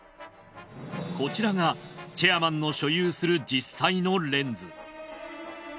こちらがチェアマンの所有する実際のレンズ。